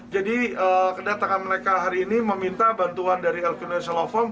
jadi kedatangan mereka hari ini meminta bantuan dari lqnl